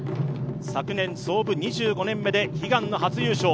昨年創部２５年目で悲願の初優勝。